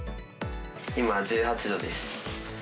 今１８度です。